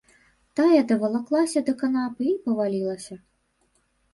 Тая давалаклася да канапы і павалілася.